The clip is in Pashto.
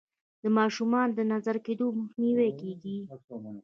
د ماشومانو د نظر کیدو مخنیوی کیږي.